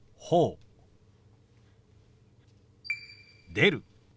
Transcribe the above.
「出る」。